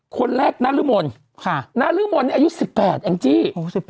คนแรกนรมนศ์นรมนศ์เนี่ยอายุ๑๘แอ่งจี้